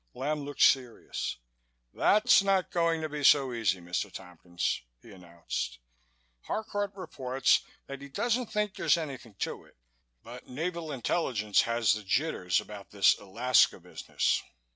Lamb looked serious. "That's not going to be so easy, Mr. Tompkins," he announced. "Harcourt reports that he doesn't think there's anything to it, but Naval Intelligence has the jitters about this Alaska business.